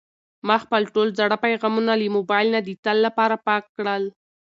ما خپل ټول زاړه پیغامونه له موبایل نه د تل لپاره پاک کړل.